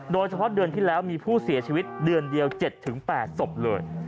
โดยเฉพาะเดือนที่แล้วมีผู้เสียชีวิตเดือนเดียว๗๘ศพเลย